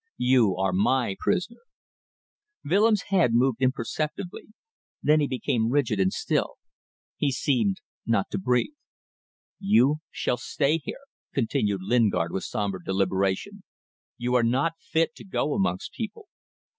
You are my prisoner." Willems' head moved imperceptibly; then he became rigid and still. He seemed not to breathe. "You shall stay here," continued Lingard, with sombre deliberation. "You are not fit to go amongst people.